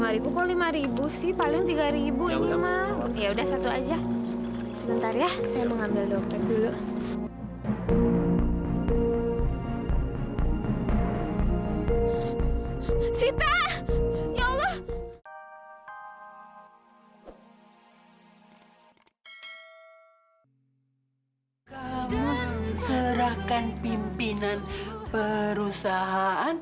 lima ribu kok lima ribu sih paling tiga ribu ini mah